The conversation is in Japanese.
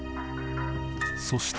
そして